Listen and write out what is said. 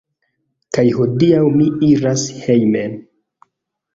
Kaj hodiaŭ mi iras hejme